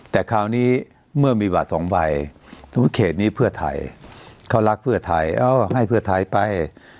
แต่คราวนี้เมื่อมีบาท๒ใบเขตนี้เพื่อไทยเขารักเพื่อไทยให้เพื่อไทยไป